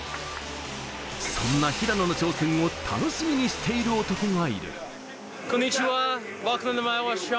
そんな平野の挑戦を楽しみにしている男がいる。